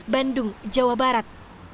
bandung jawa barat